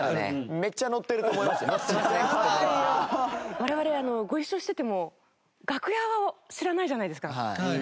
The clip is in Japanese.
我々ご一緒してても楽屋は知らないじゃないですかどんな感じなのか。